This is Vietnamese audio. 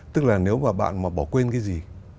tức là nếu mà bạn mà bỏ quên cái gì